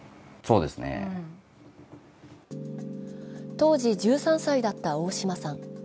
当時１３歳だった大島さん。